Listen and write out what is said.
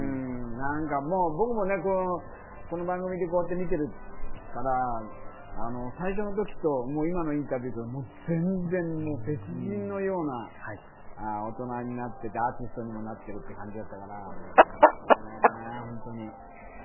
僕もこの番組で見ているから、最初の時と今のインタビューと全然、別人のような大人になっていてアーティストにもなっているって感じだったから、もったいないなぁ、本当に。